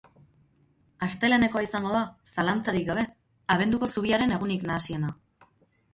Astelehenekoa izango da, zalantzarik gabe, abenduko zubiaren egunik nahasiena.